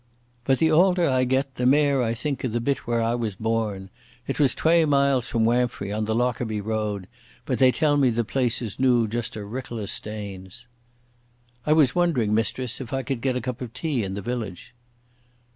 But the aulder I get the mair I think o' the bit whaur I was born. It was twae miles from Wamphray on the Lockerbie road, but they tell me the place is noo just a rickle o' stanes." "I was wondering, mistress, if I could get a cup of tea in the village."